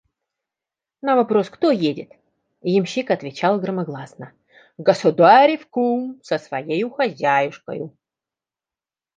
На вопрос: кто едет? – ямщик отвечал громогласно: «Государев кум со своею хозяюшкою».